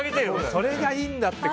それがいいんだって。